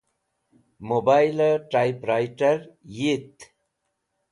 Mobile Type Rit̃er Yit